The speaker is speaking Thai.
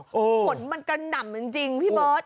ฝนมันกะดำจริงพี่บอส